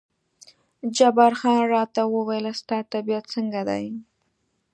جبار خان راته وویل ستا طبیعت څنګه دی؟